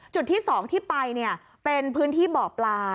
จุดที่สองที่ไปเนี่ยเป็นพื้นที่บ่อปลา